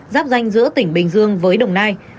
giáp danh giữa tỉnh bình dương với đồng nai